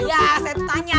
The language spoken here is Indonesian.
iya saya tuh tanya